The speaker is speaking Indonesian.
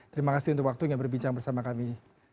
terima kasih untuk waktunya berbincang bersama kami